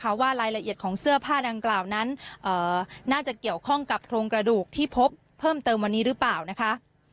ว่ารายละเอียดของเสื้อผ้าดังกล่าวนั้นน่าจะเกี่ยวข้องกับโครงกระดูกที่พบเพิ่มเติมวันนี้หรือเปล่านะคะ